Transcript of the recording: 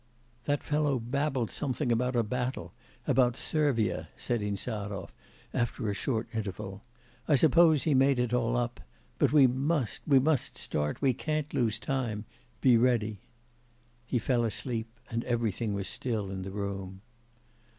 'That fellow babbled something about a battle, about Servia,' said Insarov, after a short interval. 'I suppose he made it all up. But we must, we must start. We can't lose time. Be ready.' He fell asleep, and everything was still in the room.